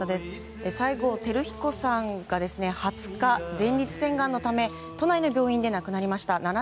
西郷輝彦さんが２０日、前立腺がんのため都内の病院で亡くなりました。